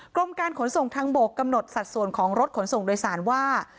กรมการขนส่งทางบกกำหนดสัดส่วนของรถขนส่งโดยสารว่า